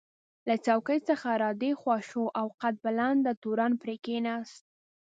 له څوکۍ څخه را دې خوا شو او قد بلنده تورن پرې کېناست.